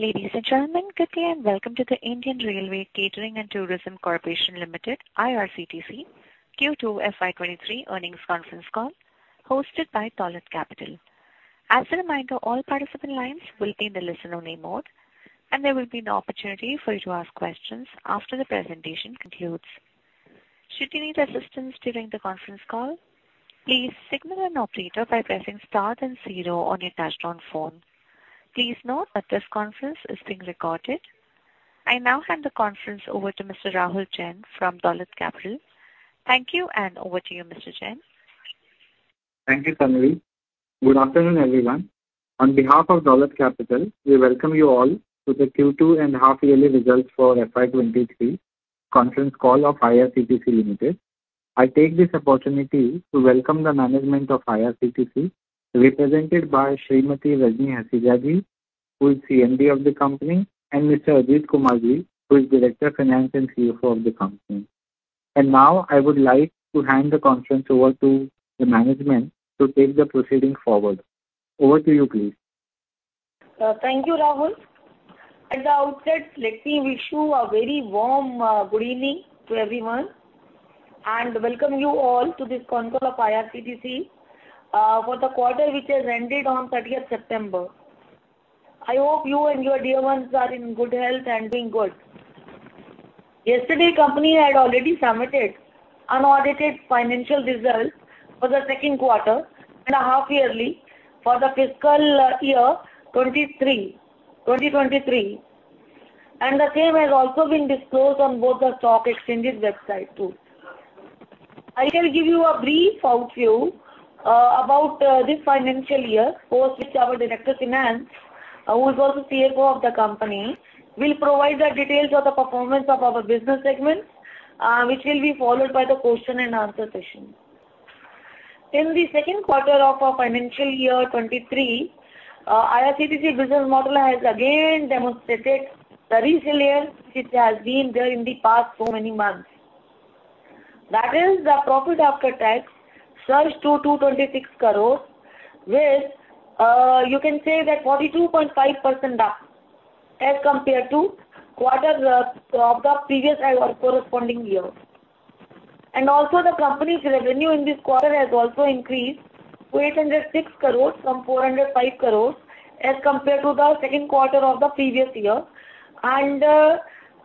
Ladies and gentlemen, good day and welcome to the Indian Railway Catering and Tourism Corporation Limited, IRCTC, Q2 FY23 earnings conference call hosted by Dolat Capital. As a reminder, all participant lines will be in the listen-only mode, and there will be an opportunity for you to ask questions after the presentation concludes. Should you need assistance during the conference call, please signal an operator by pressing star then zero on your touchtone phone. Please note that this conference is being recorded. I now hand the conference over to Mr. Rahul Jain from Dolat Capital. Thank you, and over to you, Mr. Jain. Thank you, Samri. Good afternoon, everyone. On behalf of Dolat Capital, we welcome you all to the Q2 and half-yearly results for FY 2023 conference call of IRCTC Limited. I take this opportunity to welcome the management of IRCTC, represented by Shrimati Rajni Hasija-ji, who is CMD of the company, and Mr. Ajit Kumar-ji, who is Director of Finance and CFO of the company. Now, I would like to hand the conference over to the management to take the proceeding forward. Over to you, please. Thank you, Rahul. At the outset, let me wish you a very warm good evening to everyone, and welcome you all to this conference call of IRCTC for the quarter which has ended on thirtieth September. I hope you and your dear ones are in good health and doing good. Yesterday, company had already submitted unaudited financial results for the second quarter and a half-yearly for the fiscal year 2023, and the same has also been disclosed on both the stock exchanges website, too. I shall give you a brief overview about this financial year post which our Director Finance, who is also CFO of the company, will provide the details of the performance of our business segments, which will be followed by the question and answer session. In the second quarter of our financial year 2023, IRCTC business model has again demonstrated the resilience which has been there in the past so many months. That is the profit after tax surged to INR 226 crores with, you can say that 42.5% up as compared to quarter, of the previous or corresponding year. The company's revenue in this quarter has also increased to 806 crores from 405 crores as compared to the second quarter of the previous year.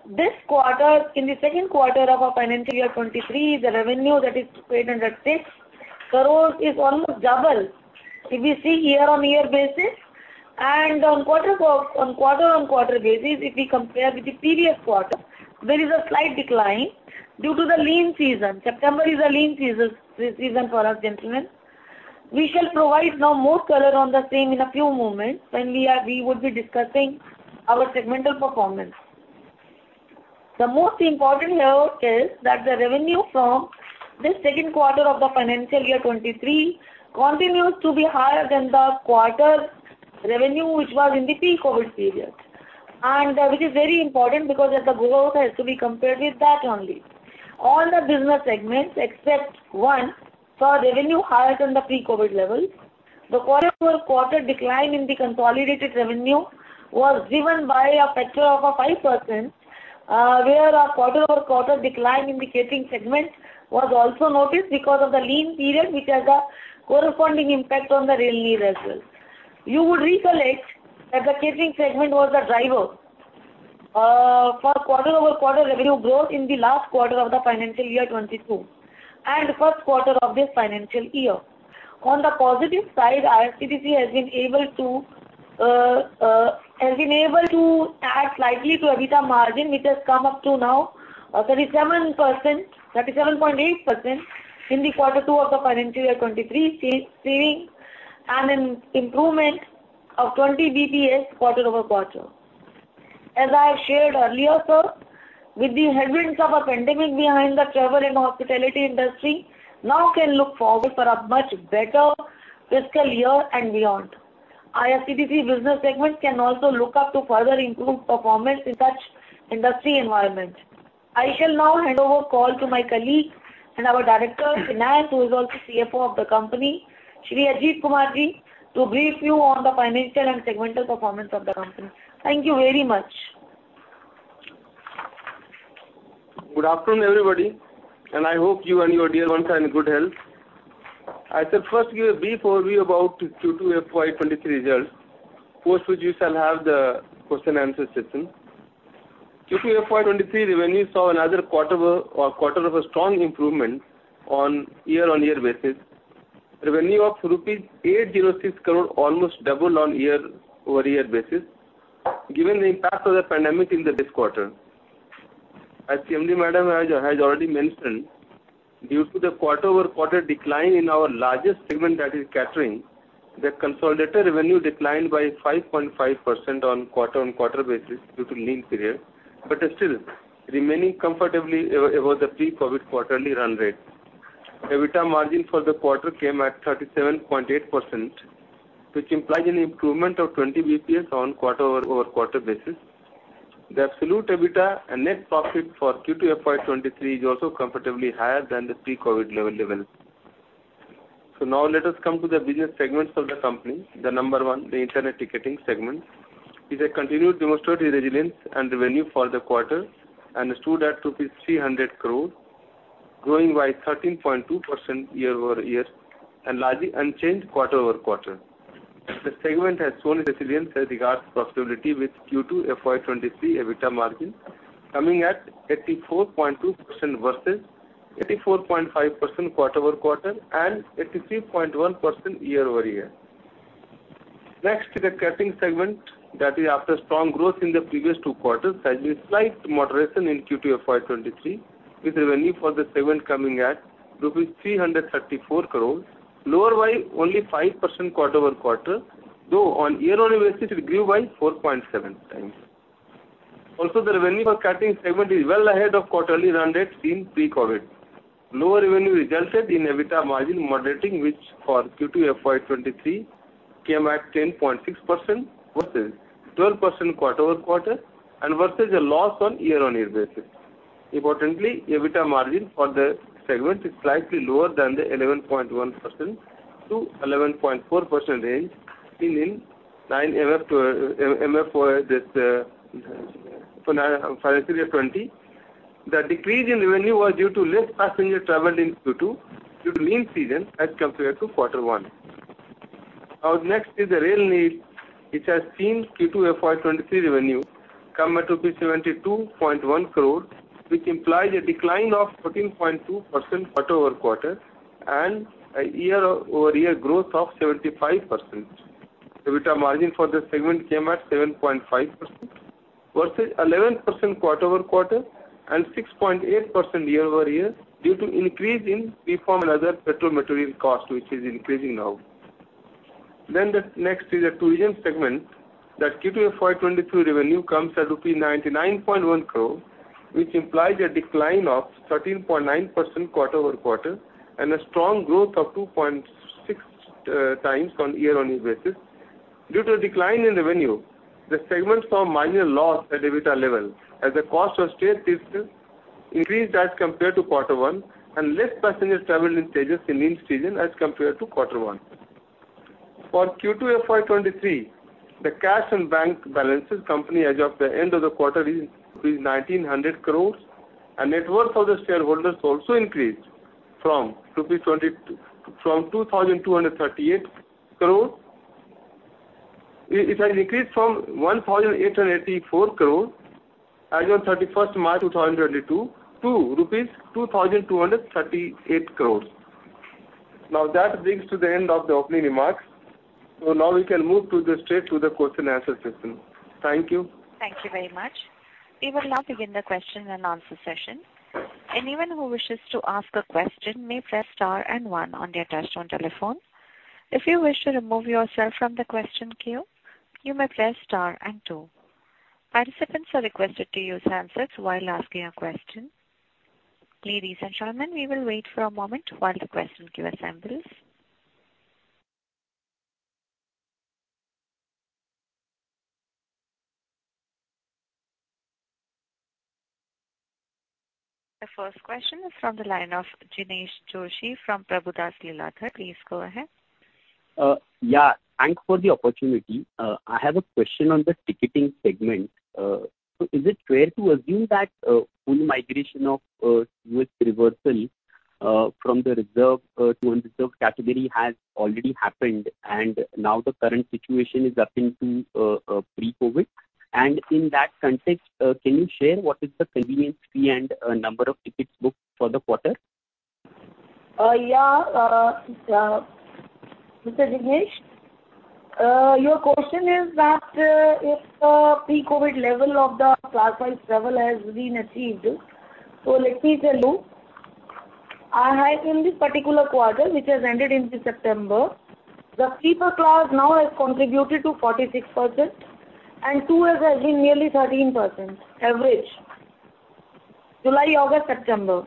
This quarter, in the second quarter of our financial year 2023, the revenue that is 806 crores is almost double if we see year-on-year basis. On quarter-on-quarter basis, if we compare with the previous quarter, there is a slight decline due to the lean season. September is a lean season for us, gentlemen. We shall provide now more color on the same in a few moments when we would be discussing our segmental performance. The most important note is that the revenue from this second quarter of the financial year 2023 continues to be higher than the quarter revenue, which was in the pre-COVID period, and which is very important because the growth has to be compared with that only. All the business segments, except one, saw revenue higher than the pre-COVID levels. The quarter-over-quarter decline in the consolidated revenue was driven by a factor of 5%, where a quarter-over-quarter decline in the catering segment was also noticed because of the lean period which has a corresponding impact on the Rail Neer as well. You would recollect that the catering segment was the driver for quarter-over-quarter revenue growth in the last quarter of the financial year 2022 and first quarter of this financial year. On the positive side, IRCTC has been able to add slightly to EBITDA margin, which has come up to now 37%, 37.8% in the quarter 2 of the financial year 2023 seeing an improvement of 20 basis points quarter over quarter. As I shared earlier, sir, with the headwinds of a pandemic behind, the travel and hospitality industry now can look forward for a much better fiscal year and beyond. IRCTC business segment can also look up to further improve performance in such industry environment. I shall now hand over call to my colleague and our Director of Finance, who is also CFO of the company, Mr. Ajit Kumar-ji, to brief you on the financial and segmental performance of the company. Thank you very much. Good afternoon, everybody, and I hope you and your dear ones are in good health. I shall first give a brief overview about Q2 FY 2023 results, post which you shall have the question and answer session. Q2 FY 2023 revenue saw another quarter-over-quarter strong improvement on year-on-year basis. Revenue of 806 crore rupees almost doubled on year-over-year basis given the impact of the pandemic in this quarter. As CMD Madam has already mentioned, due to the quarter-over-quarter decline in our largest segment that is catering, the consolidated revenue declined by 5.5% on quarter-on-quarter basis due to lean period, but still remaining comfortably above the pre-COVID quarterly run rate. EBITDA margin for the quarter came at 37.8%, which implies an improvement of 20 basis points on quarter-over-quarter basis. The absolute EBITDA and net profit for Q2 FY 2023 is also comfortably higher than the pre-COVID level. Now let us come to the business segments of the company. The number one, the internet ticketing segment, has continued to demonstrate resilience and revenue for the quarter stood at rupees 300 crore, growing by 13.2% year-over-year and largely unchanged quarter-over-quarter. The segment has shown resilience with regards to profitability with Q2 FY 2023 EBITDA margin coming at 84.2% versus 84.5% quarter-over-quarter and 83.1% year-over-year. Next, the catering segment, after strong growth in the previous two quarters, has seen a slight moderation in Q2 FY 2023, with revenue for the segment coming at rupees 334 crores, lower by only 5% quarter-over-quarter, though on year-on-year basis it grew by 4.7x. Also, the revenue for catering segment is well ahead of quarterly run rates in pre-COVID. Lower revenue resulted in EBITDA margin moderating which for Q2 FY23 came at 10.6% versus 12% quarter-over-quarter and versus a loss on year-on-year basis. Importantly, EBITDA margin for the segment is slightly lower than the 11.1% to 11.4% range seen in 9M FY20. The decrease in revenue was due to less passenger travel in Q2 due to lean season as compared to quarter one. Our next is the Rail Neer, which has seen Q2 FY23 revenue come at 72.1 crore, which implies a decline of 14.2% quarter-over-quarter and a year-over-year growth of 75%. EBITDA margin for this segment came at 7.5% versus 11% quarter-over-quarter and 6.8% year-over-year due to increase in pre-form and other petrol material cost, which is increasing now. The next is a tourism segment that Q2 FY 2023 revenue comes at 99.1 crore, which implies a decline of 13.9% quarter-over-quarter and a strong growth of 2.6x on year-on-year basis. Due to a decline in revenue, the segment saw minor loss at EBITDA level as the cost of stay increased as compared to quarter one and less passengers traveled in Tejas in lean season as compared to quarter one. For Q2 FY 2023, the cash and bank balances of the company as of the end of the quarter is 1,900 crore. The net worth of the shareholders also increased from 2,238 crore. It has increased from 1,884 crore as on March 31st 2022 to rupees 2,238 crores. Now, that brings to the end of the opening remarks. Now we can move straight to the question and answer session. Thank you. Thank you very much. We will now begin the question and answer session. Anyone who wishes to ask a question may press star and one on their touchtone telephone. If you wish to remove yourself from the question queue, you may press star and two. Participants are requested to use headsets while asking a question. Ladies and gentlemen, we will wait for a moment while the question queue assembles. The first question is from the line of Jinesh Joshi from Prabhudas Lilladher. Please go ahead. Yeah, thanks for the opportunity. I have a question on the ticketing segment. Is it fair to assume that full migration with reversal from the reserved to unreserved category has already happened and now the current situation is up to pre-COVID? In that context, can you share what is the convenience fee and number of tickets booked for the quarter? Mr. Jinesh, your question is that if the pre-COVID level of the class five travel has been achieved. Let me tell you. In this particular quarter, which has ended in September, the sleeper class now has contributed to 46%, and 2S has been nearly 13% average July, August, September.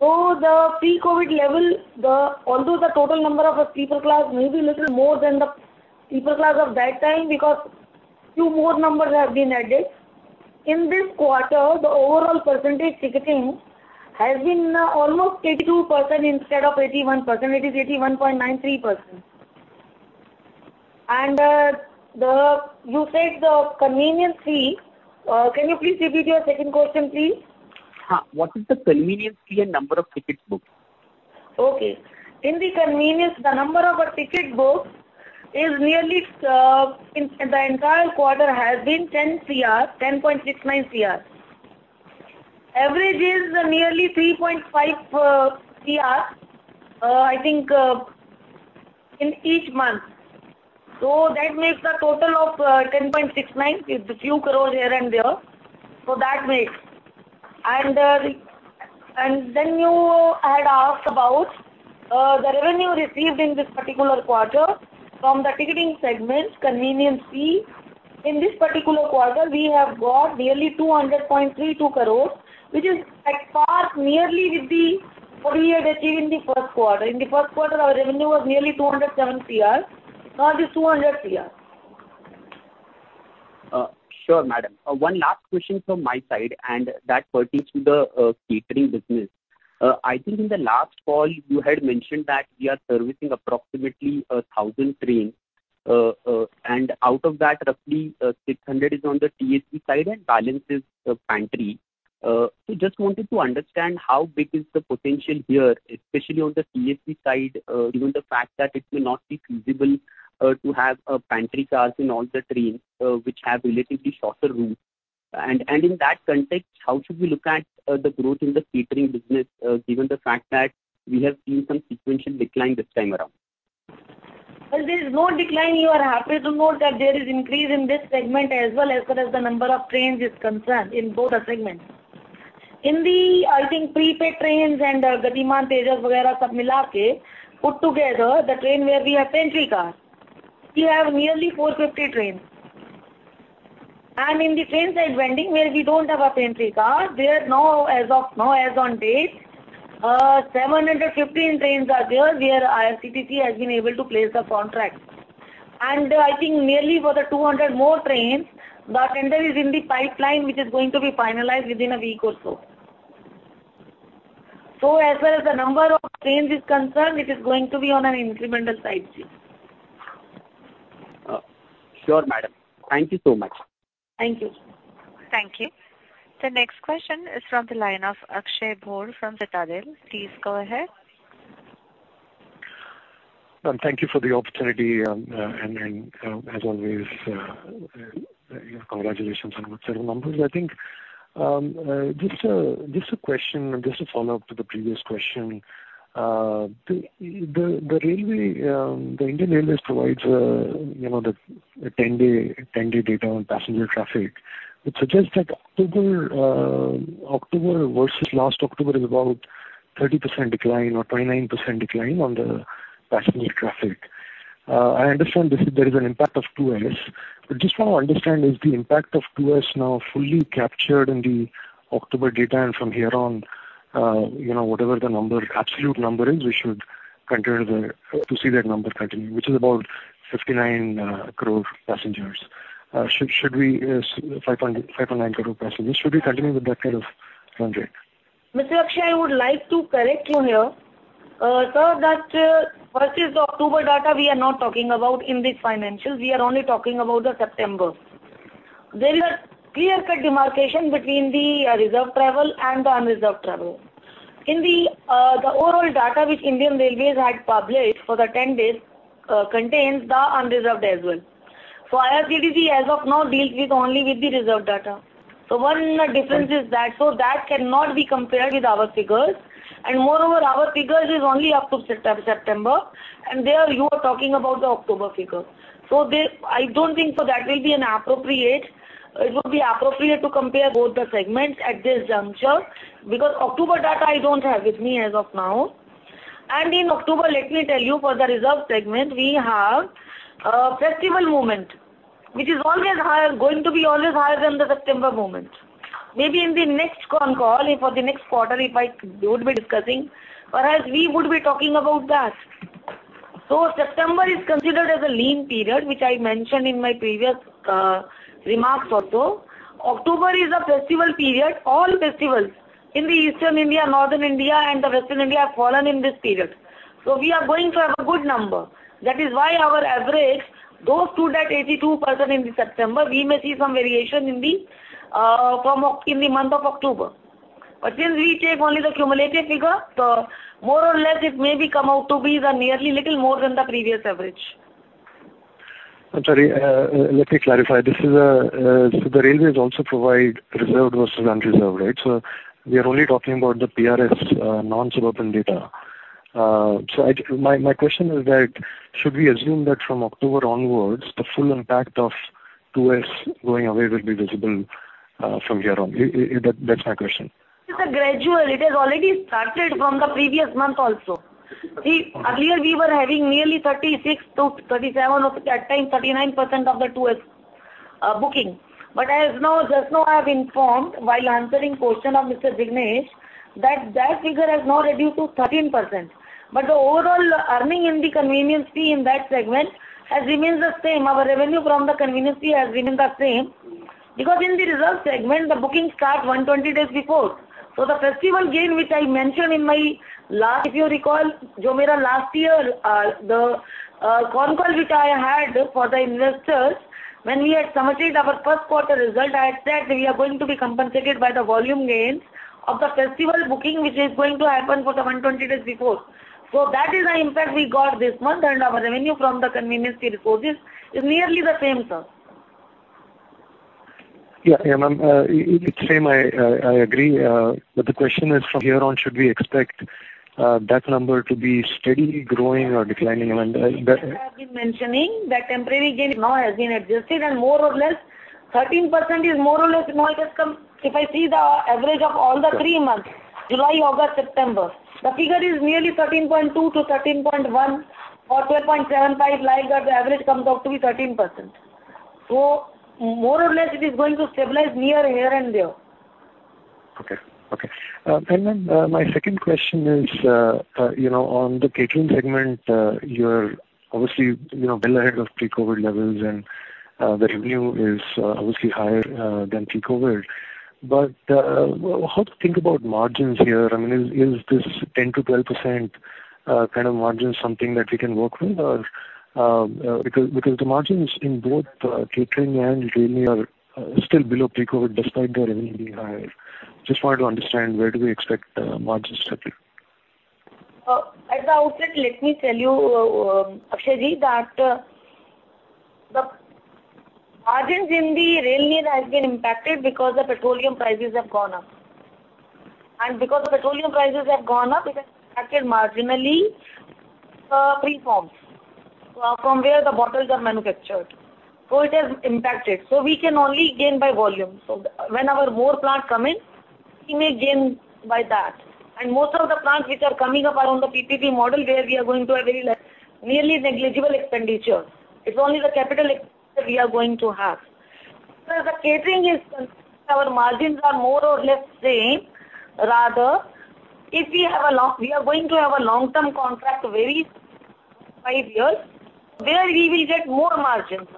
The pre-COVID level, although the total number of sleeper class may be little more than the sleeper class of that time because few more numbers have been added. In this quarter, the overall percentage ticketing has been almost 82% instead of 81%. It is 81.93%. You said the convenience fee. Can you please repeat your second question, please? What is the convenience fee and number of tickets booked? In the convenience, the number of tickets booked is nearly in the entire quarter has been 10 CR, 10.69 CR. Average is nearly 3.5 CR in each month. I think that makes the total of 10.69 with the few crore here and there. You had asked about the revenue received in this particular quarter from the ticketing segment, convenience fee. In this particular quarter, we have got nearly 200.32 crore, which is at par nearly with what we had achieved in the first quarter. In the first quarter, our revenue was nearly 207 crore. Now it is 200 crore. Sure, madam. One last question from my side, and that pertains to the catering business. I think in the last call you had mentioned that you are servicing approximately 1,000 trains. Out of that, roughly, 600 is on the TSP side and balance is pantry. Just wanted to understand how big is the potential here, especially on the TSP side, given the fact that it will not be feasible to have pantry cars in all the trains which have relatively shorter routes. In that context, how should we look at the growth in the catering business, given the fact that we have seen some sequential decline this time around? Well, there is no decline. You are happy to note that there is increase in this segment as well, as far as the number of trains is concerned in both the segments. In prepaid trains and Gatiman, Tejas put together, the trains where we have pantry car, we have nearly 450 trains. In the train side vending, where we don't have a pantry car, now as on date, 715 trains are there, where IRCTC has been able to place the contract. I think nearly 200 more trains, the tender is in the pipeline, which is going to be finalized within a week or so. As well as the number of trains is concerned, it is going to be on an incremental upside. Sure, madam. Thank you so much. Thank you. Thank you. The next question is from the line of Akshay Bhor from Citadel. Please go ahead. Thank you for the opportunity. As always, congratulations on the excellent numbers. I think just a follow-up to the previous question. The Indian Railways provides you know a 10-day data on passenger traffic, which suggests that October versus last October is about 30% decline or 29% decline on the passenger traffic. I understand there is an impact of 2S. But just want to understand is the impact of 2S now fully captured in the October data and from here on, you know, whatever the absolute number is, we should consider that number to continue, which is about 59 crore passengers. Should we 5.9 crore passengers? Should we continue with that kind of trend rate? Mr. Akshay, I would like to correct you here. Sir, first is the October data we are not talking about in these financials. We are only talking about the September. There is a clear cut demarcation between the reserved travel and the unreserved travel. In the overall data which Indian Railways had published for the 10 days contains the unreserved as well. So IRCTC as of now deals with only the reserved data. So one difference is that that cannot be compared with our figures. Moreover, our figures is only up to September, and there you are talking about the October figure. I don't think so that will be an appropriate. It would be appropriate to compare both the segments at this juncture, because October data I don't have with me as of now. In October, let me tell you, for the reserved segment, we have festival movement, which is always higher, going to be always higher than the September movement. Maybe in the next con call for the next quarter, if I would be discussing, perhaps we would be talking about that. September is considered as a lean period, which I mentioned in my previous remarks also. October is a festival period. All festivals in the Eastern India, Northern India, and the Western India have fallen in this period. We are going to have a good number. That is why our average goes to that 82% in September. We may see some variation in the month of October. Since we take only the cumulative figure, so more or less it may become out to be nearly little more than the previous average. I'm sorry. Let me clarify. This is so the railways also provide reserved versus unreserved, right? We are only talking about the PRS, non-suburban data. My question is that should we assume that from October onwards, the full impact of 2S going away will be visible, from here on? That's my question. It's a gradual. It has already started from the previous month also. See, earlier we were having nearly 36 to 37 of, at times, 39% of the 2S booking. As now, just now I've informed while answering question of Mr. Jignesh, that figure has now reduced to 13%. The overall earning in the convenience fee in that segment has remained the same. Our revenue from the convenience fee has remained the same. Because in the reserved segment, the bookings start 120 days before. The festival gain which I mentioned in my last, if you recall, the con call which I had for the investors, when we had submitted our first quarter result, I had said we are going to be compensated by the volume gains of the festival booking, which is going to happen for the 120 days before. That is the impact we got this month, and our revenue from the convenience fee deposits is nearly the same, sir. Yeah. Yeah, ma'am. It's the same. I agree. But the question is, from here on, should we expect that number to be steadily growing or declining, ma'am? As I have been mentioning, the temporary gain now has been adjusted and more or less 13% is more or less. If I see the average of all the three months, July, August, September, the figure is nearly 13.2% to 13.1% or 12.75%. Like, the average comes out to be 13%. More or less it is going to stabilize near here and there. Okay. My second question is, you know, on the catering segment, you're obviously, you know, well ahead of pre-COVID levels and the revenue is obviously higher than pre-COVID. How to think about margins here? I mean, is this 10%-12% kind of margin something that we can work with? Because the margins in both catering and Rail Neer are still below pre-COVID despite the revenue being higher. Just wanted to understand where do we expect margins to settle? At the outset, let me tell you, Akshay-ji, that the margins in the Rail Neer have been impacted because the petroleum prices have gone up. Because the petroleum prices have gone up, it has impacted marginally preforms from where the bottles are manufactured. It has impacted. We can only gain by volume. When more plants come in, we may gain by that. Most of the plants which are coming up are on the PPP model, where we are going to have very less, nearly negligible expenditure. It's only the capital expenditure we are going to have. Where the catering is concerned, our margins are more or less same. Rather, if we have a long-term contract of 25 years, where we will get more margins.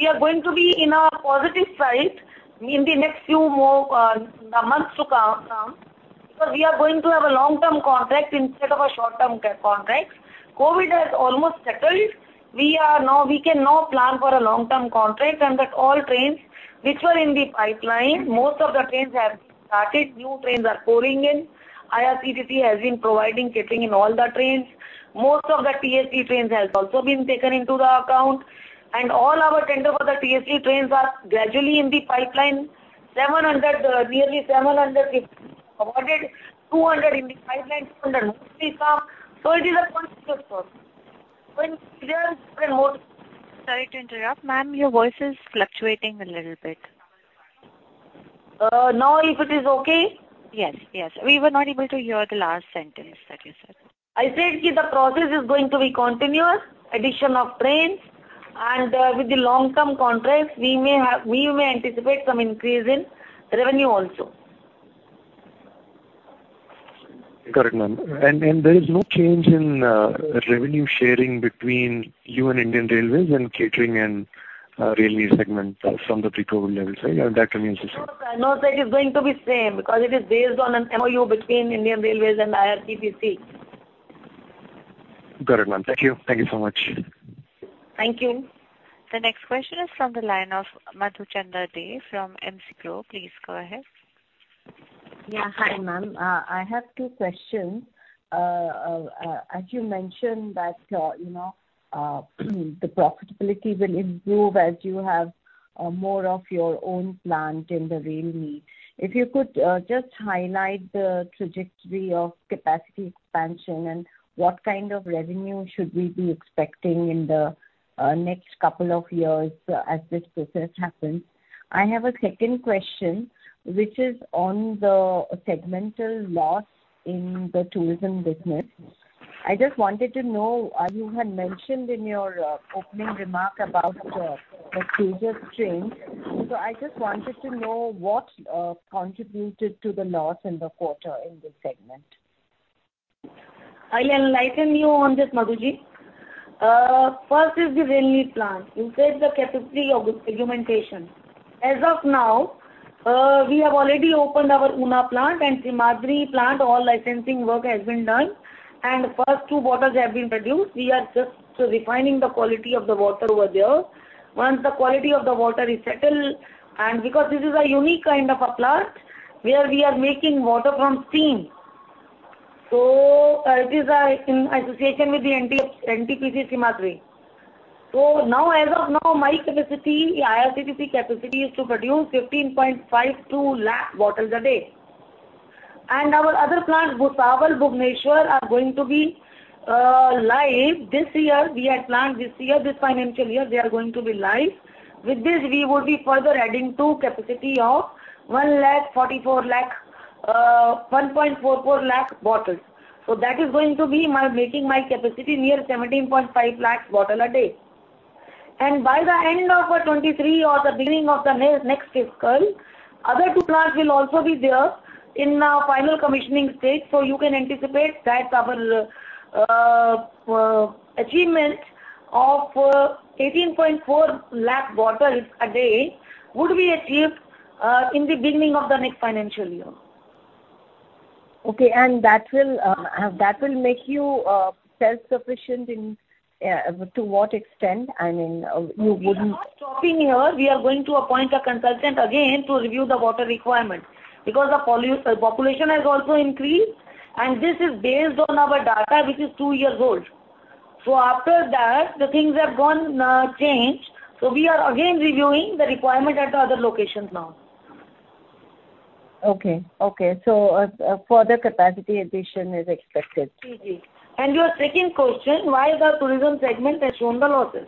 We are going to be on a positive side in the next few more months to come. Because we are going to have a long-term contract instead of a short-term contract. COVID has almost settled. We can now plan for a long-term contract, and all trains which were in the pipeline, most of the trains have been started. New trains are pouring in. IRCTC has been providing catering in all the trains. Most of the Tejas trains has also been taken into the account. All our tender for the Tejas trains are gradually in the pipeline. Nearly 700 is awarded, 200 in the pipeline, 200 mostly come. It is a continuous process. When there is Sorry to interrupt. Ma'am, your voice is fluctuating a little bit. Now if it is okay? Yes. We were not able to hear the last sentence that you said. I said the process is going to be continuous, addition of trains, and with the long-term contracts, we may anticipate some increase in revenue also. Correct, ma'am. There is no change in revenue sharing between you and Indian Railways and catering and Rail Neer segment from the pre-COVID levels, right? Or that remains the same. No, sir. No, sir. It is going to be same because it is based on an MOU between Indian Railways and IRCTC. Got it, ma'am. Thank you. Thank you so much. Thank you. The next question is from the line of Madhuchanda Dey from MC Pro. Please go ahead. Hi, ma'am. I have two questions. As you mentioned that, you know, the profitability will improve as you have more of your own plant in the Rail Neer. If you could just highlight the trajectory of capacity expansion and what kind of revenue should we be expecting in the next couple of years as this process happens. I have a second question, which is on the segmental loss in the tourism business. I just wanted to know you had mentioned in your opening remark about the cruiser train. I just wanted to know what contributed to the loss in the quarter in this segment. I'll enlighten you on this, Madhu-ji. First is the Rail Neer plant. You said the capacity augmentation. As of now, we have already opened our Unnao plant and Singrauli plant. All licensing work has been done, and first two bottles have been produced. We are just refining the quality of the water over there. Once the quality of the water is settled, and because this is a unique kind of a plant where we are making water from steam. It is in association with the NTPC Simhadri. Now, as of now, my capacity, IRCTC capacity is to produce 15.52 lakh bottles a day. Our other plant, Bhusawal, Bhubaneswar, are going to be live this year. We had planned this year, this financial year, they are going to be live. With this, we would be further adding to capacity of 1.44 lakh bottles. That is going to be making our capacity near 17.5 lakh bottle a day. By the end of 2023 or the beginning of the next fiscal, other two plants will also be there in final commissioning stage. You can anticipate that our achievement of 18.4 lakh bottles a day would be achieved in the beginning of the next financial year. Okay. That will make you self-sufficient in to what extent? I mean, you wouldn't We are not stopping here. We are going to appoint a consultant again to review the water requirement because the population has also increased, and this is based on our data, which is two years old. After that, the things have changed. We are again reviewing the requirement at the other locations now. Okay. Further capacity addition is expected. Yes. Your second question, why the tourism segment has shown the losses?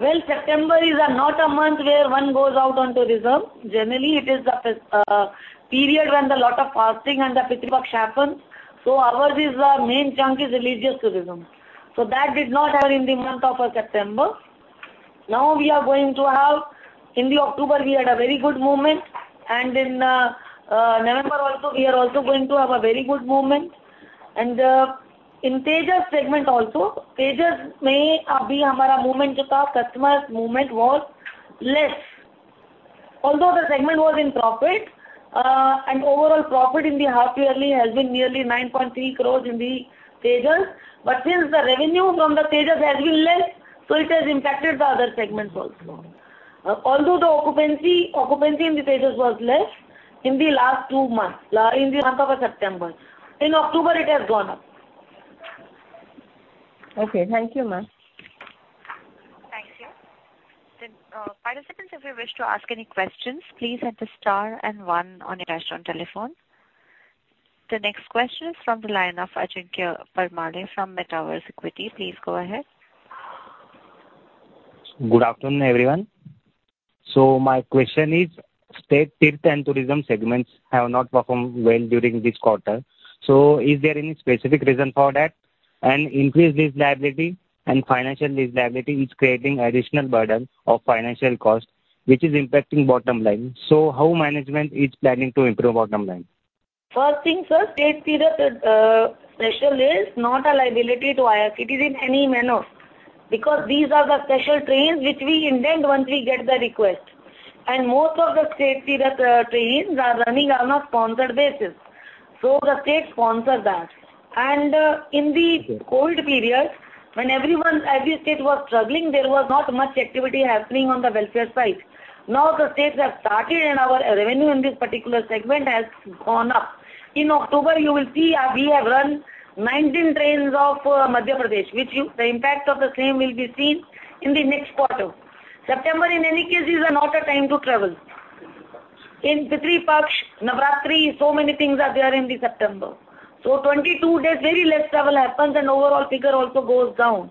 Well, September is not a month where one goes out on tourism. Generally, it is the period when a lot of fasting and the Pitru Paksha happens. Our main chunk is religious tourism. That did not happen in the month of September. Now, in October, we had a very good movement, and in November also, we are also going to have a very good movement. In Tejas segment also, Tejas may Customer movement was less. Although the segment was in profit, and overall profit in the half yearly has been nearly 9.3 crores in the Tejas. Since the revenue from the Tejas has been less, so it has impacted the other segments also. Although the occupancy in the Tejas was less in the last two months, in the month of September. In October, it has gone up. Okay. Thank you, ma'am. Thank you. Participants, if you wish to ask any questions, please enter star and one on your touchtone telephone. The next question is from the line of Ajinkya Parmar from Metaverse Equity. Please go ahead. Good afternoon, everyone. My question is, Tejas and tourism segments have not performed well during this quarter. Is there any specific reason for that? Increased liability and financial liability is creating additional burden of financial cost, which is impacting bottom line. How management is planning to improve bottom line? First thing, sir, state Tejas special is not a liability to IRCTC in any manner, because these are the special trains which we intend once we get the request. Most of the state Tejas trains are running on a sponsored basis. The state sponsor that. In the COVID period, when every state was struggling, there was not much activity happening on the welfare side. Now, the states have started and our revenue in this particular segment has gone up. In October, you will see, we have run 19 trains of Madhya Pradesh, which the impact of the same will be seen in the next quarter. September, in any case, is not a time to travel. In Pitru Paksha, Navratri, so many things are there in September. 22 days, very less travel happens and overall figure also goes down.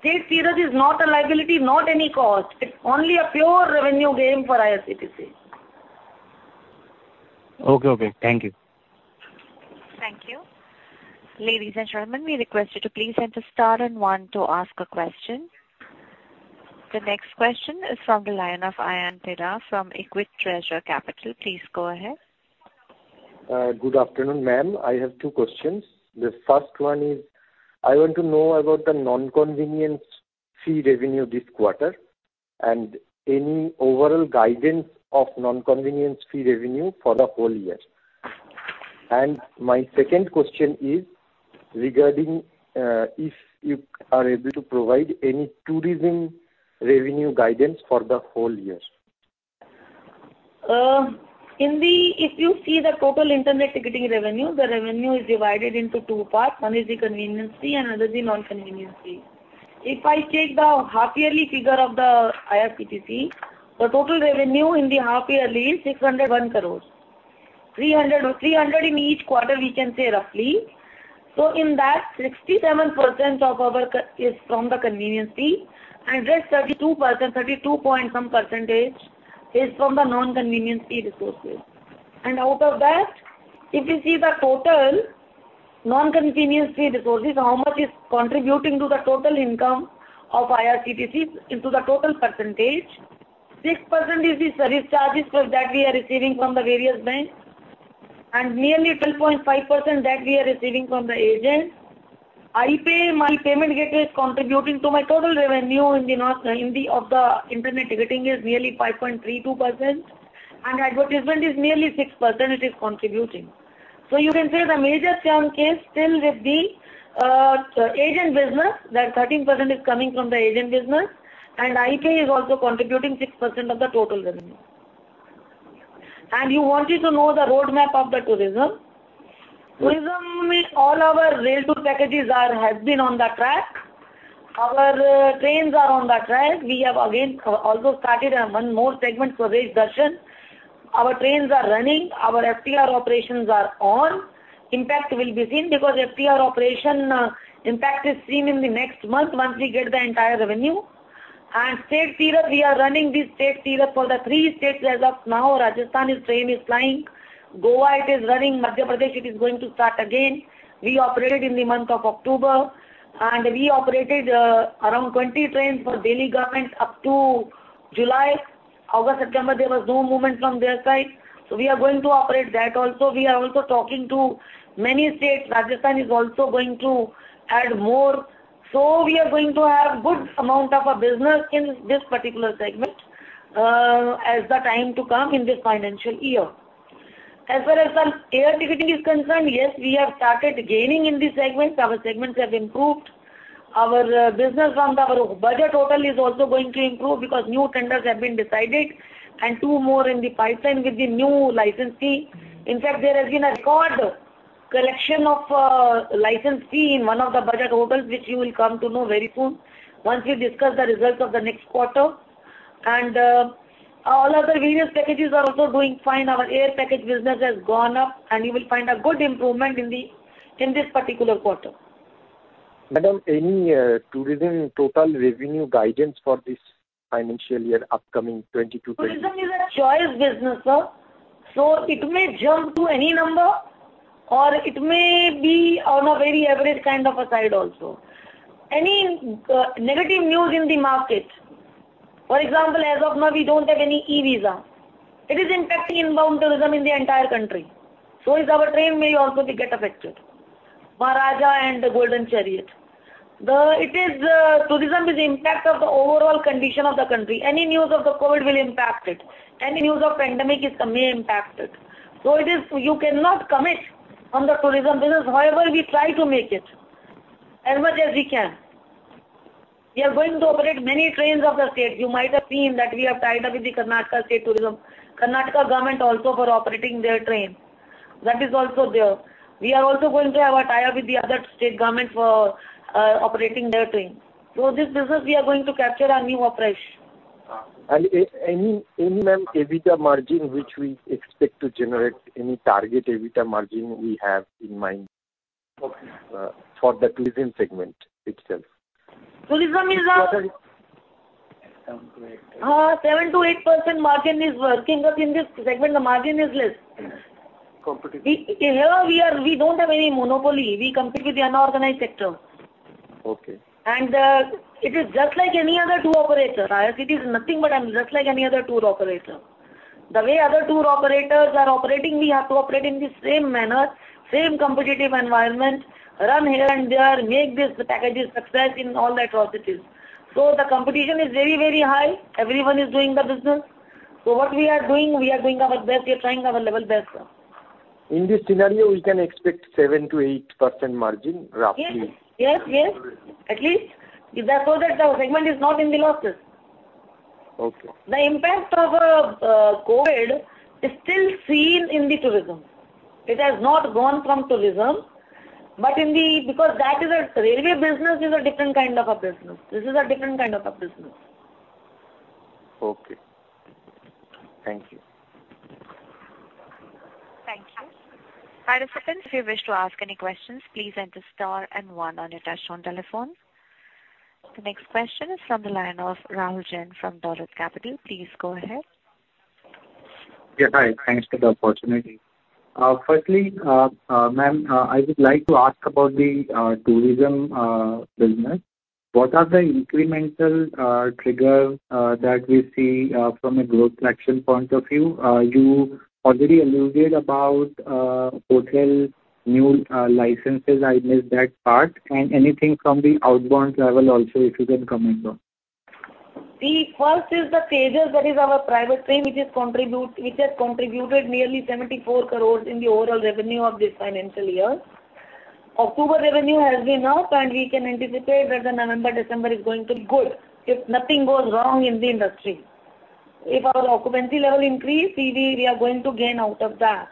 State Tejas is not a liability, not any cost. It's only a pure revenue gain for IRCTC. Okay. Thank you. Thank you. Ladies and gentlemen, we request you to please press star one to ask a question. The next question is from the line of Ayan Bera from Equitreasure Capital. Please go ahead. Good afternoon, ma'am. I have two questions. The first one is, I want to know about the non-convenience fee revenue this quarter and any overall guidance of non-convenience fee revenue for the whole year. My second question is regarding, if you are able to provide any tourism revenue guidance for the whole year. If you see the total internet ticketing revenue, the revenue is divided into two parts. One is the convenience fee, another is the non-convenience fee. If I check the half yearly figure of the IRCTC, the total revenue in the half yearly is 601 crores. 300, 300 in each quarter, we can say roughly. In that, 67% of our is from the convenience fee and rest 32%, 32 point some percentage is from the non-convenience fee resources. Out of that, if you see the total non-convenience fee resources, how much is contributing to the total income of IRCTC into the total percentage, 6% is the surcharges for that we are receiving from the various banks, and nearly 12.5% that we are receiving from the agent. iPay my payment gateway is contributing to my total revenue in the form of the internet ticketing is nearly 5.32%, and advertisement is nearly 6% it is contributing. You can say the major chunk is still with the agent business, that 13% is coming from the agent business, and iPay is also contributing 6% of the total revenue. You wanted to know the roadmap of the tourism. Tourism is all our rail tour packages has been on the track. Our trains are on the track. We have again also started one more segment for Rail Darshan. Our trains are running, our FTR operations are on. Impact will be seen because FTR operation impact is seen in the next month, once we get the entire revenue. State Tejas, we are running the state Tejas for the three states as of now. Rajasthan, the train is plying. Goa, it is running. Madhya Pradesh, it is going to start again. We operated in the month of October, and we operated around 20 trains for Delhi government up to July. August, September, there was no movement from their side. We are going to operate that also. We are also talking to many states. Rajasthan is also going to add more. We are going to have good amount of business in this particular segment as the time to come in this financial year. As far as our air ticketing is concerned, yes, we have started gaining in this segment. Our segments have improved. Our business from the budget hotel is also going to improve because new tenders have been decided and two more in the pipeline with the new license fee. In fact, there has been a record collection of license fee in one of the budget hotels, which you will come to know very soon once we discuss the results of the next quarter. All other various packages are also doing fine. Our air package business has gone up, and you will find a good improvement in this particular quarter. Madam, any tourism total revenue guidance for this financial year upcoming 2022-2023? Tourism is a choice business, sir. It may jump to any number. Or it may be on a very average kind of a side also. Any negative news in the market, for example, as of now, we don't have any e-Visa. It is impacting inbound tourism in the entire country. Is our train may also get affected. Maharajas' Express and the Golden Chariot. It is tourism is impact of the overall condition of the country. Any news of the COVID will impact it. Any news of pandemic may impact it. It is. You cannot commit on the tourism business. However, we try to make it as much as we can. We are going to operate many trains of the state. You might have seen that we have tied up with the Karnataka State Tourism. Karnataka government also for operating their train. That is also there. We are also going to have a tie-up with the other state government for operating their train. This business we are going to capture our new operation. Any, ma'am, EBITDA margin which we expect to generate, any target EBITDA margin we have in mind? Okay. For the tourism segment itself. Tourism is. Sorry. 7%-8% margin is working up in this segment. The margin is less. Competitive. We don't have any monopoly. We compete with the unorganized sector. Okay. It is just like any other tour operator. IRCTC is nothing but just like any other tour operator. The way other tour operators are operating, we have to operate in the same manner, same competitive environment, run here and there, make these packages successful in all the activities. The competition is very, very high. Everyone is doing business. What we are doing, we are doing our best. We are trying our level best. In this scenario, we can expect 7%-8% margin roughly. Yes. At least, so that the segment is not in the losses. Okay. The impact of COVID is still seen in the tourism. It has not gone from tourism. Because that is a railway business is a different kind of a business. This is a different kind of a business. Okay. Thank you. Thank you. Participants, if you wish to ask any questions, please enter star and one on your touchtone telephone. The next question is from the line of Rahul Jain from Dolat Capital. Please go ahead. Yes, hi. Thanks for the opportunity. Firstly, ma'am, I would like to ask about the tourism business. What are the incremental trigger that we see from a growth traction point of view? You already alluded about hotel new licenses. I missed that part. Anything from the outbound travel also, if you can comment on. The first is the Tejas that is our private train, which has contributed nearly 74 crore in the overall revenue of this financial year. October revenue has been up, and we can anticipate that the November, December is going to be good, if nothing goes wrong in the industry. If our occupancy level increase, we are going to gain out of that.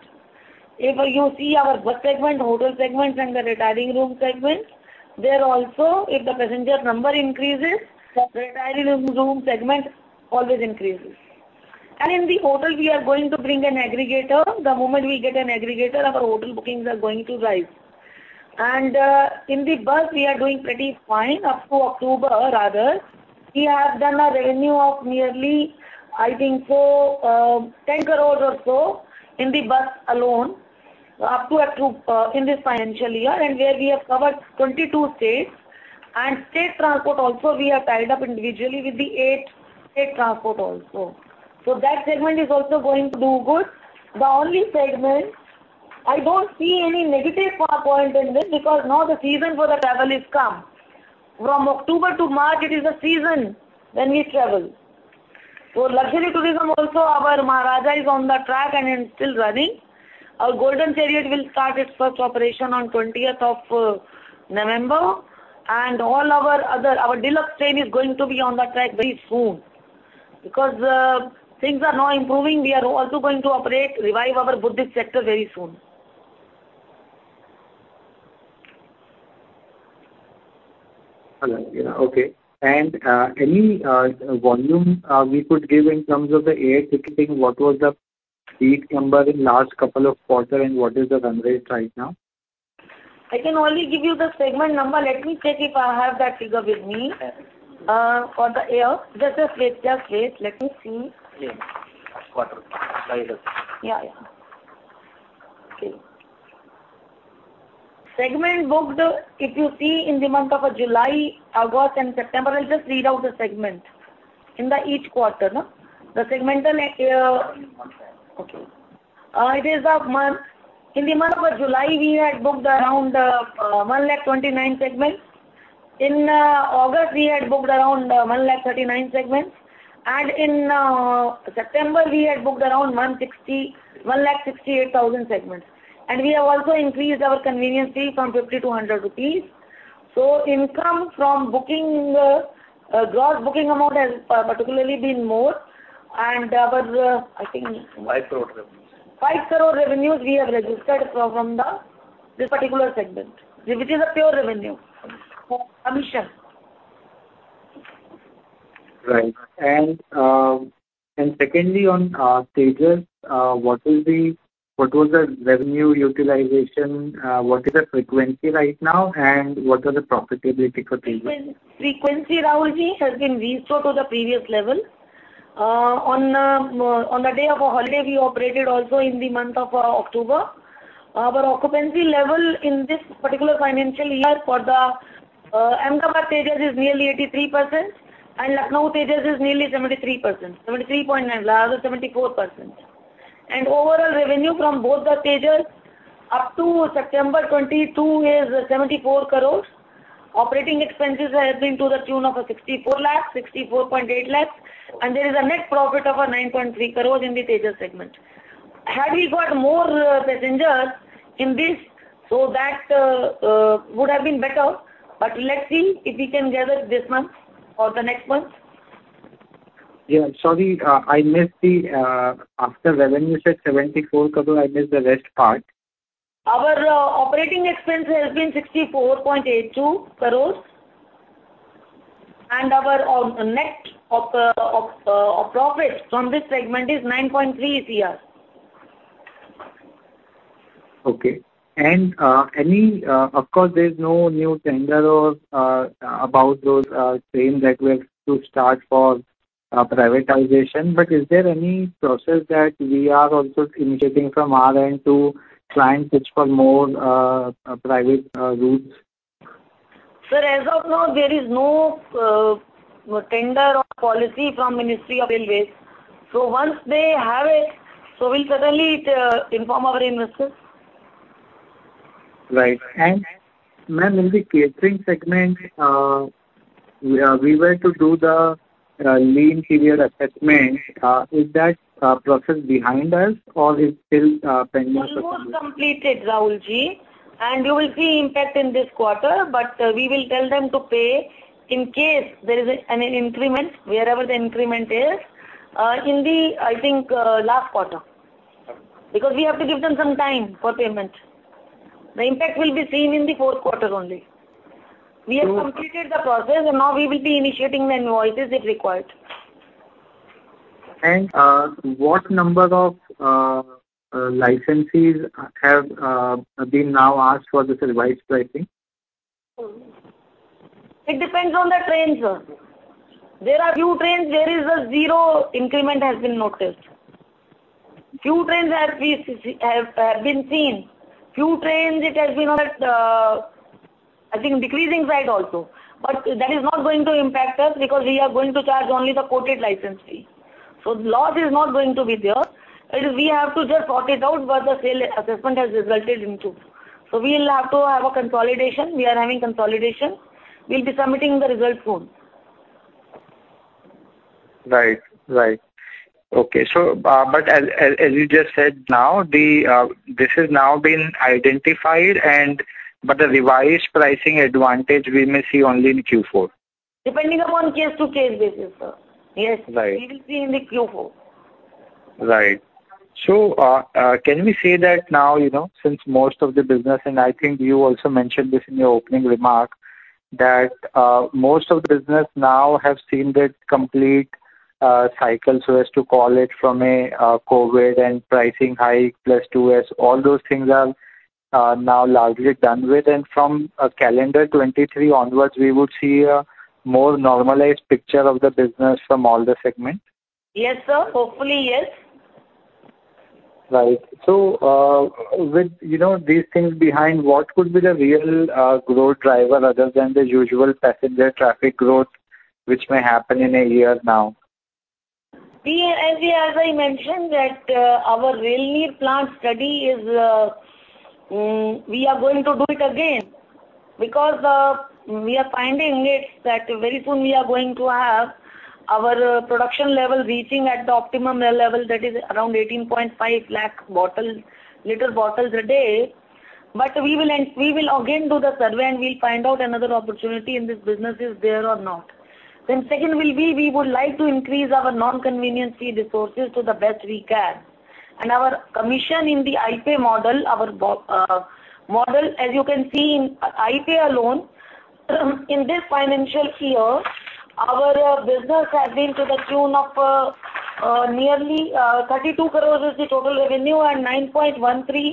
If you see our bus segment, hotel segments and the retiring room segments, there also, if the passenger number increases, the retiring room segment always increases. In the hotel, we are going to bring an aggregator. The moment we get an aggregator, our hotel bookings are going to rise. In the bus we are doing pretty fine up to October rather. We have done a revenue of nearly, I think 410 crores or so in the bus alone, up to October in this financial year, and where we have covered 22 states. State transport also we have tied up individually with the 8 state transport also. That segment is also going to do good. The only segment. I don't see any negative point in this because now the season for the travel is come. From October to March, it is the season when we travel. Luxury tourism also our Maharajas' Express is on the track and is still running. Our Golden Chariot will start its first operation on 20th of November. All our other, our deluxe train is going to be on the track very soon. Because things are now improving, we are also going to operate, revive our Buddhist sector very soon. Hello. Yeah. Okay. Any volume we could give in terms of the air ticketing, what was the seat number in last couple of quarters, and what is the run rate right now? I can only give you the segment number. Let me check if I have that figure with me. Yes. For the air. Just a sec, just wait. Let me see. Yes. Quarter. Latest. Yeah, yeah. Okay. Segment booked, if you see in the month of July, August and September, I'll just read out the segment in the each quarter, no? The segment. Monthly. In the month of July, we had booked around 129,000 segments. In August we had booked around 139,000 segments. In September we had booked around 168,000 segments. We have also increased our convenience fee from 50 to 100 rupees. Income from booking gross booking amount has particularly been more. Our, I think 5 crore revenues. 5 crore revenues we have registered from this particular segment. Which is a pure revenue commission. Right. Secondly, on Tejas, what was the revenue utilization, what is the frequency right now, and what are the profitability for Tejas? Frequency, Rahul ji, has been restored to the previous level. On the day of a holiday, we operated also in the month of October. Our occupancy level in this particular financial year for the Ahmedabad Tejas is nearly 83% and Lucknow Tejas is nearly 73%, 73.9%. Overall, 74%. Overall revenue from both the Tejas up to September 2022 is 74 crore. Operating expenses has been to the tune of 64.8 lakh. There is a net profit of 9.3 crore in the Tejas segment. Had we got more passengers in this, would have been better. But let's see if we can get there this month or the next month. Yeah. Sorry, I missed the after revenue you said 74 crore, I missed the rest part. Our operating expense has been 64.82 crore. Our net profit from this segment is 9.3 crore. Okay. Of course, there's no new tender or about those trains that were to start for privatization. Is there any process that we are also initiating from our end to try and pitch for more private routes? Sir, as of now, there is no tender or policy from Ministry of Railways. Once they have it, so we'll certainly inform our investors. Right. Ma'am, in the catering segment, we were to do the lean period assessment. Is that process behind us or is still pending? Almost completed, Rahul Jain. You will see impact in this quarter, but we will tell them to pay in case there is an increment wherever the increment is, I think, in the last quarter. Okay. Because we have to give them some time for payment. The impact will be seen in the fourth quarter only. So We have completed the process, and now we will be initiating the invoices if required. What number of licensees have been now asked for this revised pricing? It depends on the train, sir. There are few trains, there is a zero increment has been noticed. Few trains have been seen. Few trains it has been on a, I think, decreasing side also. That is not going to impact us because we are going to charge only the quoted license fee. Loss is not going to be there. It is, we have to just sort it out what the sale assessment has resulted into. We'll have to have a consolidation. We are having consolidation. We'll be submitting the results soon. Right. Right. Okay. But as you just said now, this has now been identified, but the revised pricing advantage we may see only in Q4. Depending upon case to case basis, sir. Yes. Right. We will see in the Q4. Right. Can we say that now, you know, since most of the business, and I think you also mentioned this in your opening remark, that most of the business now have seen the complete cycle, so as to call it from COVID and pricing hike plus those things are now largely done with. From calendar 2023 onwards, we would see a more normalized picture of the business from all the segments? Yes, sir. Hopefully, yes. Right. With, you know, these things behind, what could be the real growth driver other than the usual passenger traffic growth, which may happen in a year now? As I mentioned that our Rail Neer plant study is we are going to do it again because we are finding it that very soon we are going to have our production level reaching at the optimum level, that is around 18.5 lakh liter bottles a day. We will again do the survey, and we'll find out another opportunity in this business is there or not. Second will be, we would like to increase our non-convenience fee resources to the best we can. Our commission in the iPay model, our model, as you can see in iPay alone, in this financial year, our business has been to the tune of nearly 32 crore is the total revenue and 9.13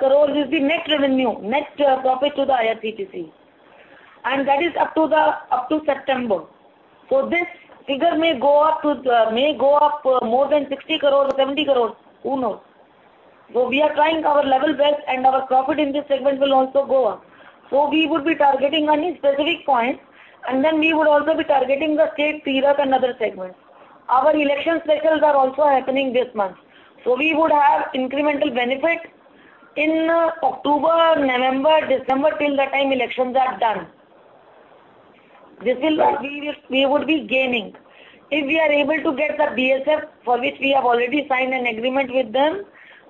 crore is the net revenue, net profit to the IRCTC. That is up to September. This figure may go up to more than 60 crore, 70 crore, who knows? We are trying our level best, and our profit in this segment will also go up. We would be targeting any specific points, and then we would also be targeting the safe period another segment. Our election specials are also happening this month. We would have incremental benefit in October, November, December till the time elections are done. We would be gaining. If we are able to get the BSF, for which we have already signed an agreement with them,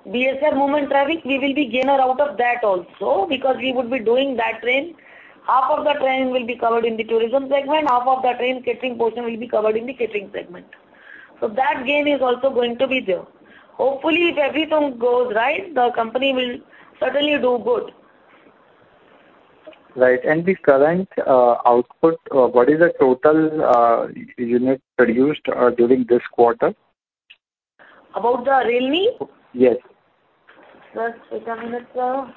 BSF movement traffic, we will be gainer out of that also because we would be doing that train. Half of the train will be covered in the tourism segment, half of the train catering portion will be covered in the catering segment. That gain is also going to be there. Hopefully, if everything goes right, the company will certainly do good. Right. The current output, what is the total unit produced during this quarter? About the Rail Neer? Yes. Just a minute, sir.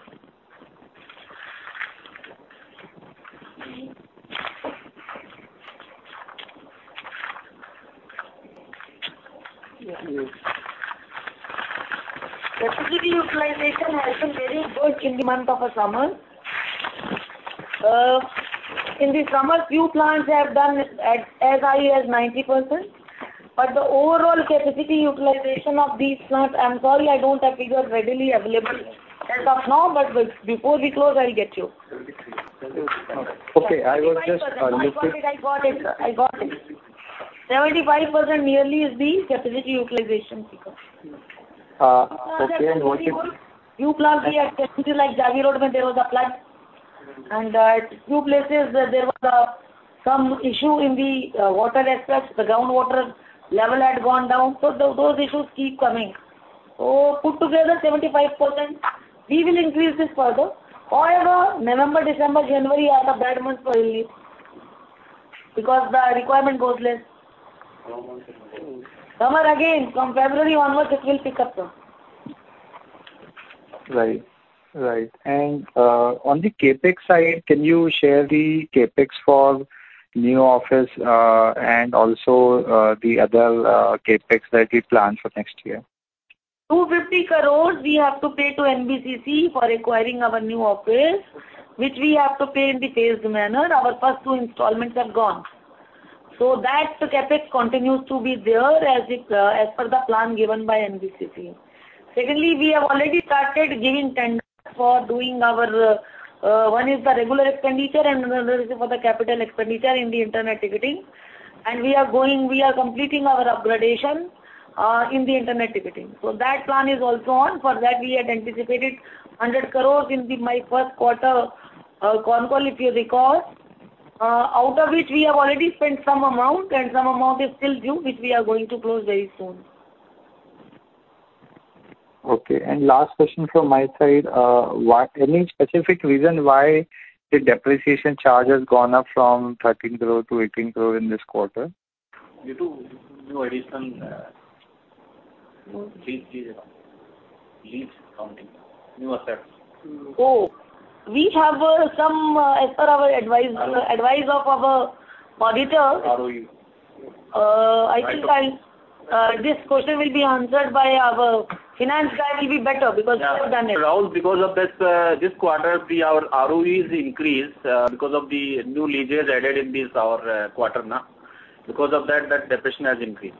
Capacity utilization has been very good in the month of a summer. In the summer, few plants have done at, as high as 90%. But the overall capacity utilization of these plants, I'm sorry, I don't have figures readily available as of now, but before we close, I'll get you. Okay. I was just looking. I got it. 75% nearly is the capacity utilization. Okay. What is Few plants we had casualty, like, Jagi Road when there was a flood. At few places there was some issue in the water aspects. The groundwater level had gone down. Those issues keep coming. Put together 75%. We will increase this further. However, November, December, January are the bad months for IRCTC because the requirement goes less. Summer again, from February onwards, it will pick up. Right. On the CapEx side, can you share the CapEx for new office, and also, the other CapEx that you plan for next year? 250 crores we have to pay to NBCC for acquiring our new office, which we have to pay in the phased manner. Our first two installments are gone. That CapEx continues to be there as per the plan given by NBCC. Secondly, we have already started giving tenders for doing our, one is the regular expenditure and another is for the capital expenditure in the internet ticketing. We are completing our upgradation in the internet ticketing. That plan is also on. For that, we had anticipated 100 crores in my first quarter con call, if you recall, out of which we have already spent some amount and some amount is still due, which we are going to close very soon. Okay. Last question from my side. Any specific reason why the depreciation charge has gone up from 13 crore to 18 crore in this quarter? Due to new addition, lease accounting, new assets. Oh, we have some, as per our advice of our auditor. ROE. Uh, I think I Right. This question will be answered by our finance guy who will be better because he has done it. Rahul, because of this quarter our ROEs increased, because of the new leases added in this our quarter now. Because of that depreciation has increased.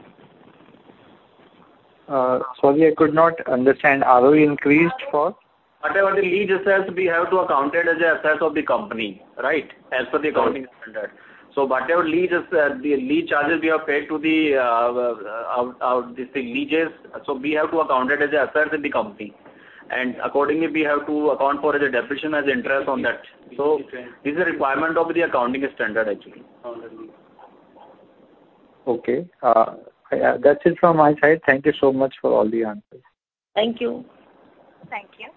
Sorry, I could not understand. ROE increased for? Whatever the lease assets we have to account it as an asset of the company, right? As per the accounting standard. Whatever the lease charges we have paid for our leases, we have to account it as an asset of the company. Accordingly, we have to account for the depreciation and interest on that. This is a requirement of the accounting standard actually. Okay. That's it from my side. Thank you so much for all the answers. Thank you. Thank you.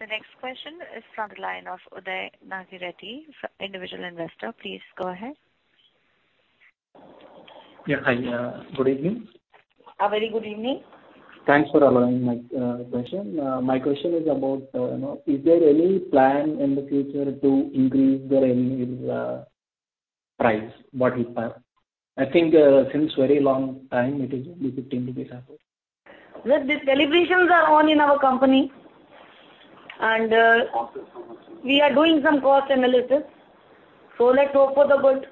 The next question is from the line of Uday Nagireddy from Individual Investor. Please go ahead. Yeah. Hi. Good evening. A very good evening. Thanks for allowing my question. My question is about, you know, is there any plan in the future to increase the Rail Neer price, bottle price? I think, since very long time it is only 15 rupees only. Look, these deliberations are on in our company and we are doing some cost analysis. Let's hope for the good.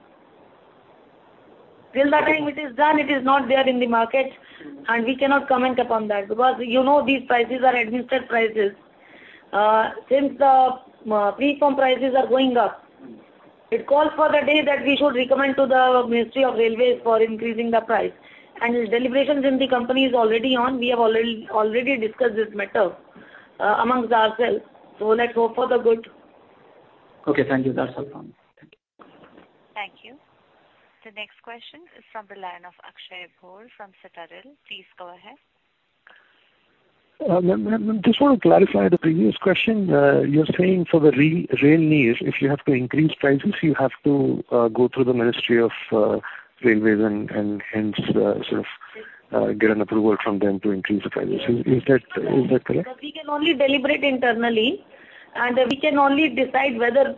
Till the time it is done, it is not there in the market and we cannot comment upon that because you know these prices are administered prices. Since the platform prices are going up, it calls for the idea that we should recommend to the Ministry of Railways for increasing the price. These deliberations in the company is already on. We have already discussed this matter, among ourselves. Let's hope for the good. Okay. Thank you. That's all from me. Thank you. Thank you. The next question is from the line of Akshay Bhor from Citadel. Please go ahead. Ma'am, just want to clarify the previous question. You're saying for the Rail Neer, if you have to increase prices you have to go through the Ministry of Railways and hence sort of get an approval from them to increase the prices. Is that correct? We can only deliberate internally and we can only decide whether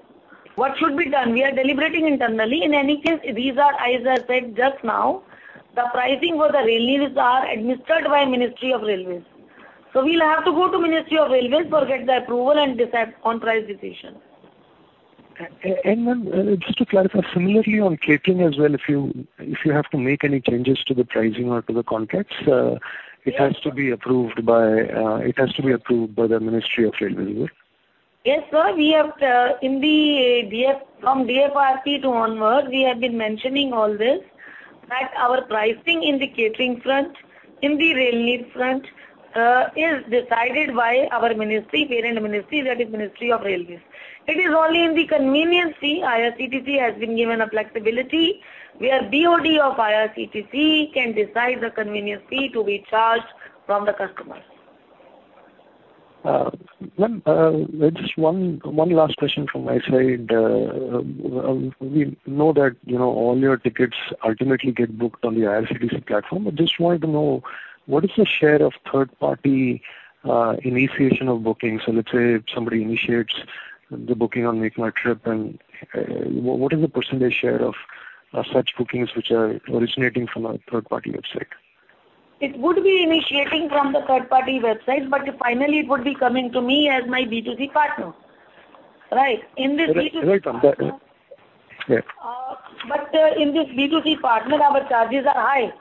what should be done. We are deliberating internally. In any case, these are, as I said just now, the pricing for the Rail Neer are administered by Ministry of Railways. We'll have to go to Ministry of Railways to get the approval and decide on price decision. Ma'am, just to clarify, similarly on catering as well, if you have to make any changes to the pricing or to the contracts, Yes. It has to be approved by the Ministry of Railways, yes? Yes, sir. We have from DRHP onward, we have been mentioning all this, that our pricing in the catering front, in the rail meal front, is decided by our ministry, parent ministry, that is Ministry of Railways. It is only in the convenience fee IRCTC has been given a flexibility, where BoD of IRCTC can decide the convenience fee to be charged from the customers. Ma'am, just one last question from my side. We know that, you know, all your tickets ultimately get booked on the IRCTC platform. I just wanted to know what is the share of third party initiation of booking. So let's say if somebody initiates the booking on MakeMyTrip and what is the percentage share of such bookings which are originating from a third-party website. It would be initiating from the third-party website, but finally it would be coming to me as my B2C partner, right? In this B2C Right, ma'am. Yeah. In this B2C partner, our charges are high,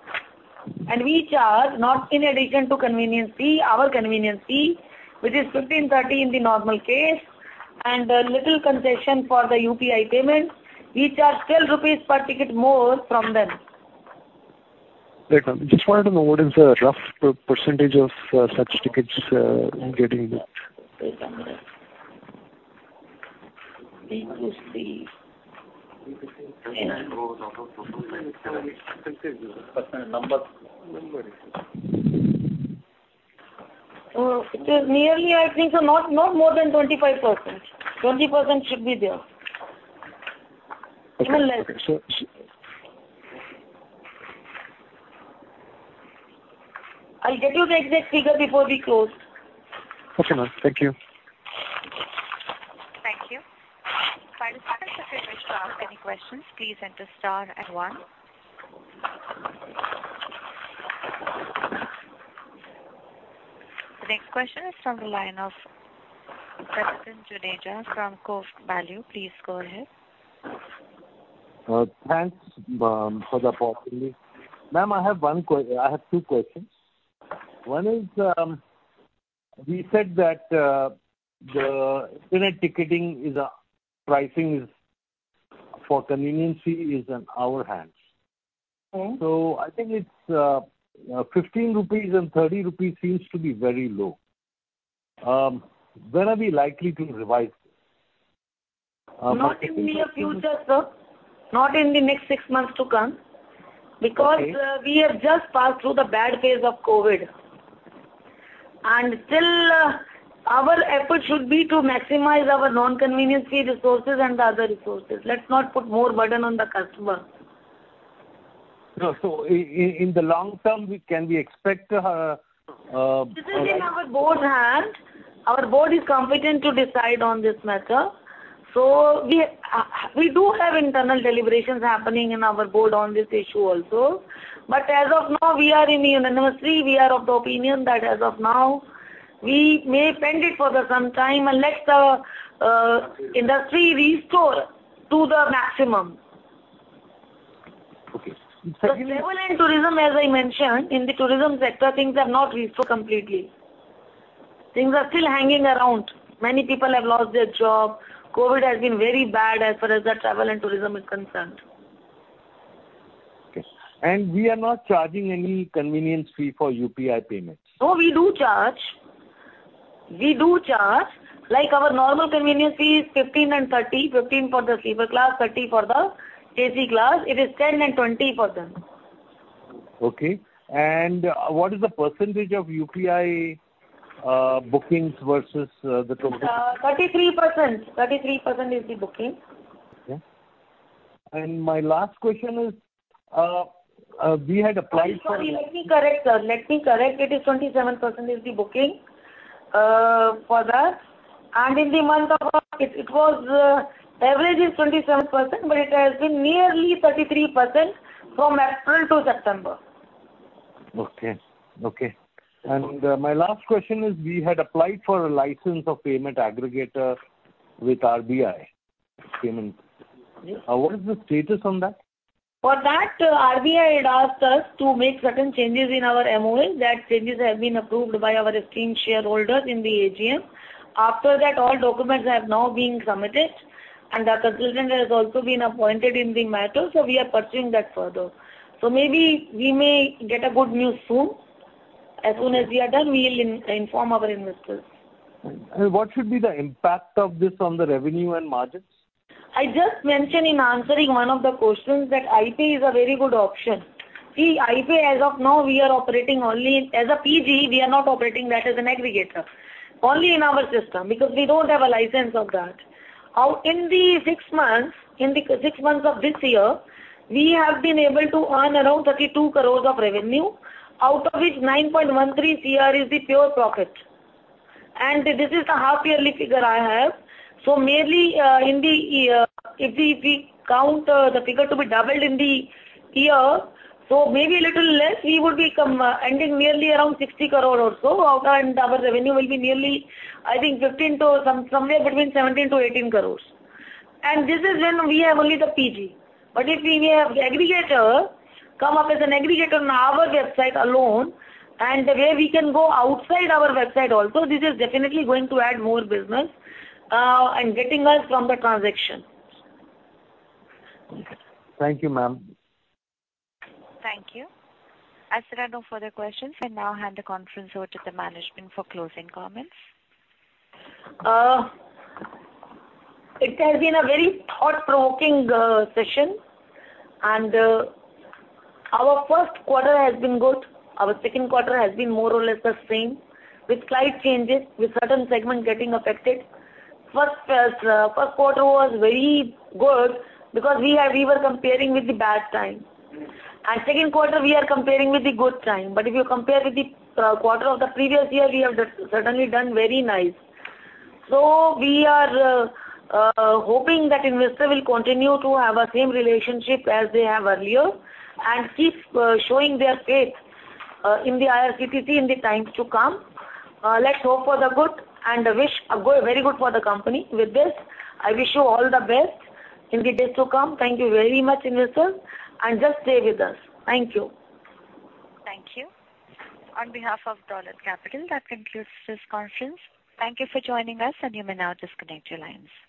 and we charge not in addition to convenience fee, our convenience fee, which is 15-30 in the normal case, and a little concession for the UPI payment. We charge 10 rupees per ticket more from them. Right, ma'am. Just wanted to know what is the rough percentage of such tickets getting booked? It is nearly, I think, not more than 25%. 20% should be there. Okay. Even less. So I'll get you the exact figure before we close. Okay, ma'am. Thank you. Thank you. Final participants if you wish to ask any questions, please enter star and one. The next question is from the line of Justin Juneja from Core Value. Please go ahead. Thanks for the opportunity. Ma'am, I have two questions. One is, you said that, the internet ticketing is, pricing is for convenience fee is in our hands. Mm-hmm. I think it's 15 rupees and 30 rupees seems to be very low. When are we likely to revise this? I think. Not in the near future, sir. Not in the next six months to come. Okay. Because we have just passed through the bad phase of COVID. Still, our effort should be to maximize our non-convenience fee resources and the other resources. Let's not put more burden on the customer. In the long term, can we expect This is in our board hands. Our board is competent to decide on this matter. We do have internal deliberations happening in our board on this issue also. As of now, we are in the unanimity. We are of the opinion that as of now, we may pend it for some time and let the industry restore to the maximum. Okay. The travel and tourism, as I mentioned, in the tourism sector, things have not restored completely. Things are still hanging around. Many people have lost their job. COVID has been very bad as far as the travel and tourism is concerned. Okay. We are not charging any convenience fee for UPI payments? No, we do charge. Like our normal convenience fee is 15 and 30. 15 for the sleeper class, 30 for the AC class. It is 10 and 20 for them. Okay. What is the percentage of UPI bookings versus the total? 33%. 33% is the booking. Okay. My last question is, we had applied for Oh, sorry. Let me correct, sir. It is 27% is the booking for that. In the month of August, it was average is 27%, but it has been nearly 33% from April to September. Okay. My last question is, we had applied for a license of payment aggregator with RBI payment? Yes. What is the status on that? For that, RBI had asked us to make certain changes in our MoA. Those changes have been approved by our esteemed shareholders in the AGM. After that, all documents have now been submitted, and our consultant has also been appointed in the matter, so we are pursuing that further. Maybe we may get good news soon. As soon as we are done, we'll inform our investors. What should be the impact of this on the revenue and margins? I just mentioned in answering one of the questions that iPay is a very good option. See, iPay as of now we are operating only as a PG. We are not operating that as an aggregator. Only in our system, because we don't have a license of that. In the six months of this year, we have been able to earn around 32 crore of revenue, out of which 9.13 crore is the pure profit. This is the half yearly figure I have. Merely in the year, if we count the figure to be doubled in the year, maybe a little less, we would be ending nearly around 60 crore or so. Our revenue will be nearly, I think fifteen to some, somewhere between seventeen to eighteen crores. This is when we have only the PG. If we have the aggregator come up as an aggregator on our website alone, and the way we can go outside our website also, this is definitely going to add more business, and getting us from the transaction. Okay. Thank you, ma'am. Thank you. As there are no further questions, I now hand the conference over to the management for closing comments. It has been a very thought-provoking session, and our first quarter has been good. Our second quarter has been more or less the same, with slight changes, with certain segment getting affected. First quarter was very good because we were comparing with the bad time. Second quarter, we are comparing with the good time. If you compare with the quarter of the previous year, we have just certainly done very nice. We are hoping that investor will continue to have a same relationship as they have earlier and keep showing their faith in the IRCTC in the times to come. Let's hope for the good and wish a good, very good for the company. With this, I wish you all the best in the days to come. Thank you very much, investors, and just stay with us. Thank you. Thank you. On behalf of Dolat Capital, that concludes this conference. Thank you for joining us, and you may now disconnect your lines.